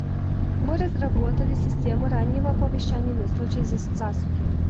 Мы разработали системы раннего оповещения на случай засухи.